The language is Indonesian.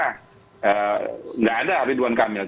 tidak ada ridwan kamil